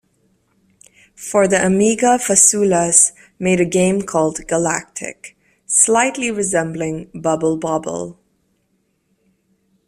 For the Amiga Fasoulas made a game called "Galactic", slightly resembling "Bubble Bobble".